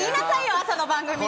朝の番組で。